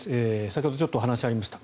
先ほどちょっとお話がありました